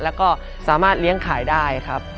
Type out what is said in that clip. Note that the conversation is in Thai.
แล้วก็สามารถเลี้ยงขายได้ครับ